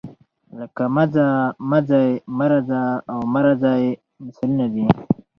لکه مه ځه، مه ځئ، مه راځه او مه راځئ مثالونه دي.